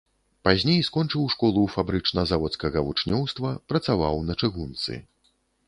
Пазней скончыў школу фабрычна-заводскага вучнёўства, працаваў на чыгунцы.